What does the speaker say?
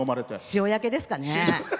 潮焼けですかね。